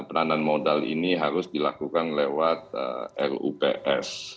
penandaan modal ini harus dilakukan lewat rups